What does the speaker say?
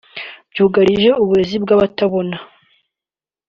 byugarije uburezi bw’abatabona